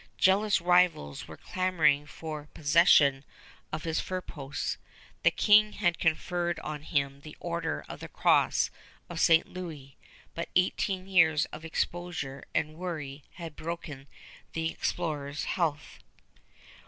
Jealous rivals were clamoring for possession of his fur posts. The King had conferred on him the Order of the Cross of St. Louis, but eighteen years of exposure and worry had broken the explorer's health.